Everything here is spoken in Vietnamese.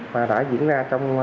và đã diễn ra